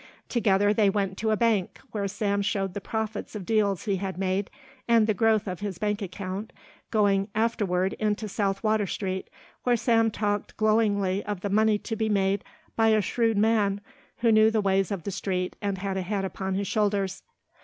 Together they went to a bank where Sam showed the profits of deals he had made and the growth of his bank account, going afterward into South Water Street where Sam talked glowingly of the money to be made by a shrewd man who knew the ways of the street and had a head upon his shoulders.